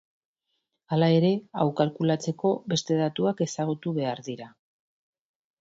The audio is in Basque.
Hala ere, hau kalkulatzeko beste datuak ezagutu behar dira.